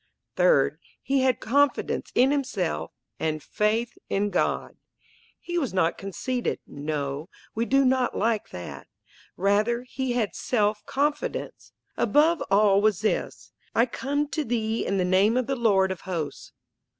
Third, he had confidence in himself and faith in God. He was not conceited, no, we do not like that. Rather he had self confidence. Above all was this "I come to thee in the name of the Lord of hosts."